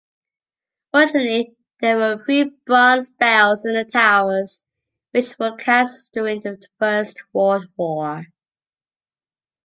Originally there were three bronze bells in the towers, which were cast during the First World War.